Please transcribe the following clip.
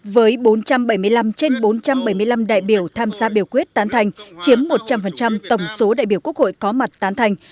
với bốn trăm bảy mươi năm trên bốn trăm bảy mươi năm đại biểu tham gia biểu quyết tán thành chiếm một trăm linh tổng số đại biểu quốc hội có mặt tán thành